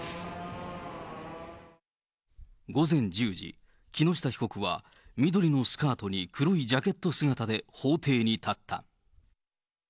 午前１０時、木下被告は、緑のスカートに黒いジャケット姿で法廷に立った。